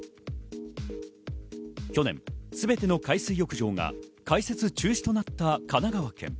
去年、すべての海水浴場が開設中止となった神奈川県。